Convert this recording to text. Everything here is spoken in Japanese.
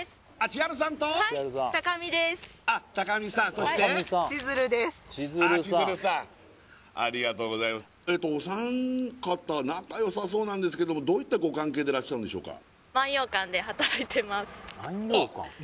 千鶴ですあっ千鶴さんありがとうございますお三方仲よさそうなんですけどもどういったご関係でいらっしゃるんでしょうか？